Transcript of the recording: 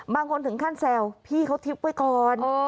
บางคนถึงขั้นแซวพี่เขาทิพย์ไว้ก่อน